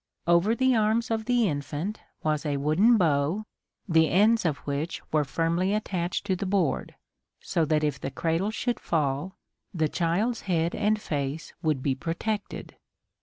Over the arms of the infant was a wooden bow, the ends of which were firmly attached to the board, so that if the cradle should fall the child's head and face would be protected.